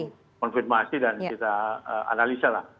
kita konfirmasi dan kita analisa lah